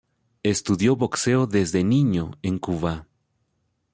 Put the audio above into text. Estudió boxeo desde niño en Cuba.